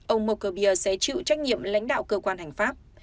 ông mokhobia sẽ chịu trách nhiệm lãnh đạo cơ quan hành pháp